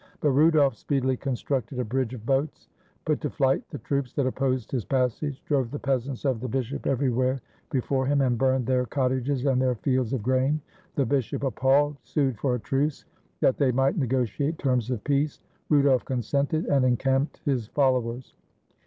But Rudolf speedily constructed a bridge of boats, put to flight the troops that opposed his passage, drove the peasants of 263 AUSTRIA HUNGARY the bishop everywhere before him, and burned their cottages and their fields of grain. The bishop, appalled, sued for a truce, that they might negotiate terms of peace. Rudolf consented, and encamped his followers.